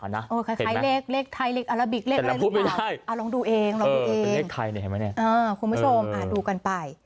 เห็นไหมแต่ละพูดไม่ได้เอ้าลองดูเองลองดูเองคุณผู้ชมดูกันไป